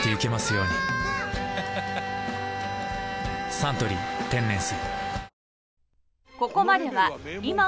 「サントリー天然水」